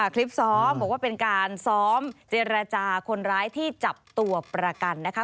คลิปซ้อมบอกว่าเป็นการซ้อมเจรจาคนร้ายที่จับตัวประกันนะคะ